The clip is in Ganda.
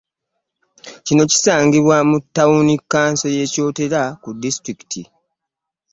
Kino kisangibwa mu ttawuni kkanso y'e Kyotera ku disitulikiti